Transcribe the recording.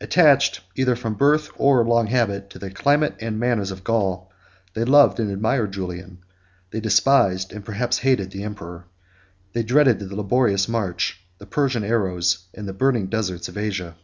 Attached, either from birth or long habit, to the climate and manners of Gaul, they loved and admired Julian; they despised, and perhaps hated, the emperor; they dreaded the laborious march, the Persian arrows, and the burning deserts of Asia.